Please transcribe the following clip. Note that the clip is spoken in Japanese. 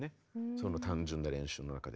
その単純な練習の中で。